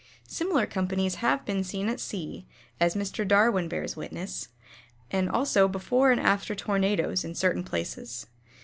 Similar companies have been seen at sea, as Mr. Darwin bears witness, also before and after tornadoes in certain places.